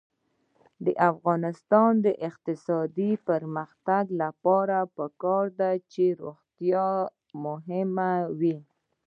د افغانستان د اقتصادي پرمختګ لپاره پکار ده چې روغتیا مهمه وي.